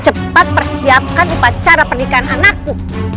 cepat persiapkan untuk pacaran pernikahan anakku